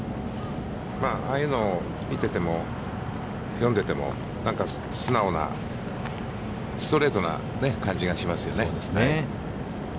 ああいうの見てても、読んでいても、何か素直なストレートな感じがしますよね。